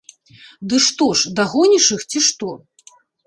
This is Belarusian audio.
Ды што ж, дагоніш іх, ці што?